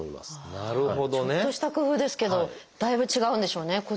ちょっとした工夫ですけどだいぶ違うんでしょうね